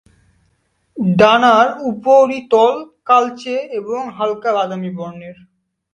ডানার উপরিতল কালচে এবং হালকা বাদামী বর্নের।